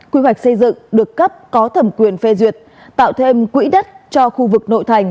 quy hoạch xây dựng được cấp có thẩm quyền phê duyệt tạo thêm quỹ đất cho khu vực nội thành